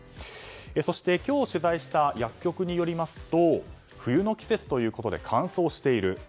そして、今日取材した薬局によりますと冬の季節ということで乾燥している。